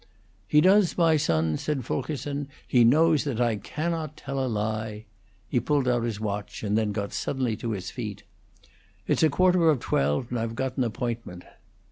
"He does, my son," said Fulkerson. "He knows that I cannot tell a lie." He pulled out his watch, and then got suddenly upon his feet. "It's quarter of twelve, and I've got an appointment."